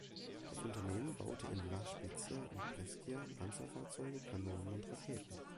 Das Unternehmen baute in La Spezia und Brescia Panzerfahrzeuge, Kanonen und Raketen.